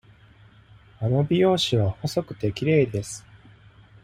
あの美容師は細くて、きれいです。